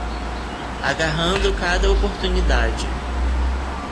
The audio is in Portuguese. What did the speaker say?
Agarrando cada oportunidade